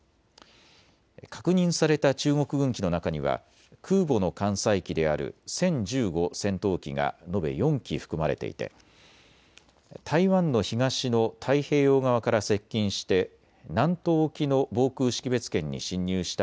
確認された中国軍機の中には空母の艦載機である殲１５戦闘機が延べ４機含まれていて台湾の東の太平洋側から接近して南東沖の防空識別圏に進入した